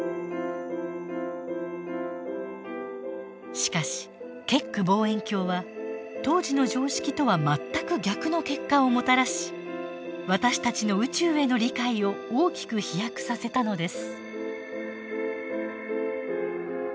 しかしケック望遠鏡は当時の常識とは全く逆の結果をもたらし私たちの宇宙への理解を大きく飛躍させたのです。